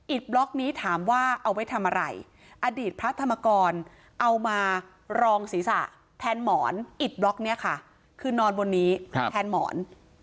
บล็อกนี้ถามว่าเอาไว้ทำอะไรอดีตพระธรรมกรเอามารองศีรษะแทนหมอนอิดบล็อกเนี่ยค่ะคือนอนบนนี้แทนหมอน